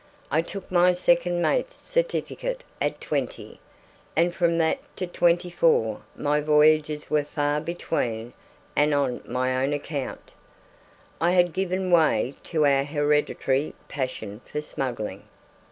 I took my second mate's certificate at twenty, and from that to twenty four my voyages were far between and on my own account. I had given way to our hereditary passion for smuggling.